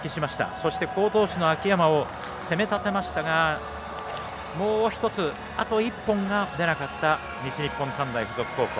そして、好投手の秋山を攻めたてましたがもう１つ、あと１本が出なかった西日本短大付属高校。